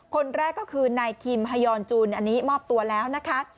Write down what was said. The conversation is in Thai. คนแรกก็คือนายคิมฮายอนจูนอันนี้มอบตัวแล้วนะคะ